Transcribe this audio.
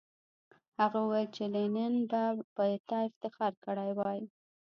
هغه وویل چې لینن به په تا افتخار کړی وای